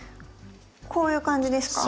こういう感じですか？